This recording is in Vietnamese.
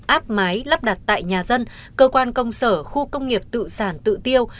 áp mái lắp đặt tại nhà dân cơ quan công sở khu công nghiệp tự sản tự tiêu